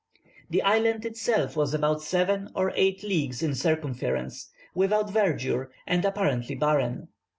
The island itself was about seven or eight leagues in circumference, without verdure, and apparently barren.